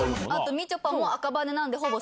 みちょぱも赤羽なんで。